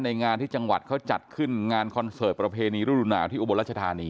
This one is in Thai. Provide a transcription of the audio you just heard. งานที่จังหวัดเขาจัดขึ้นงานคอนเสิร์ตประเพณีฤดูหนาวที่อุบลรัชธานี